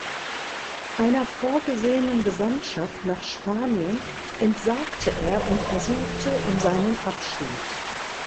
Einer vorgesehenen Gesandtschaft nach Spanien entsagte er und ersuchte um seinen Abschied.